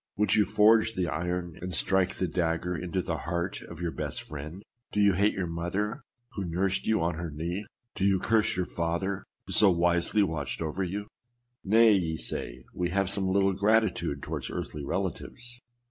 Would you forge the iron and strike the dagger into the heart of your best friend? Do you hate your mother, who nursed you on her knee ? Do you curse your father, who so wisely watched over you ? Nay, ye say, we have some little gratitude towards earthly relatives.